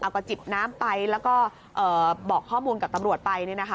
ก็จิบน้ำไปแล้วก็บอกข้อมูลกับตำรวจไป